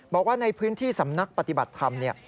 บอกว่าในพื้นที่สำนักปฏิบัติธรรม